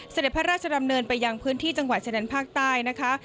เสด็จพระราชดำเนินไปยังพื้นที่จังหวัดชะแดนภาคใต้นะคะ